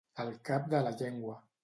Al cap de la llengua.